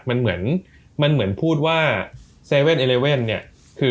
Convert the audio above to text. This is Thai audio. มันเหมือนมันกลางหากธูปว่า๗๑๑